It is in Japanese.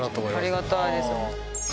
ありがたいです。